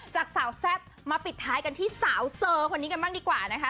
จากสาวแซ่บมาปิดท้ายกันที่สาวเซอร์คนนี้กันบ้างดีกว่านะคะ